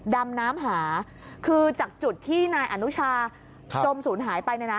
ดำน้ำหาคือจากจุดที่นายอนุชาจมศูนย์หายไปเนี่ยนะ